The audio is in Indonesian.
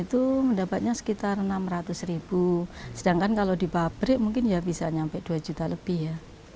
itu mendapatnya sekitar rp enam ratus sedangkan kalau di pabrik mungkin bisa sampai rp dua juta lebih ya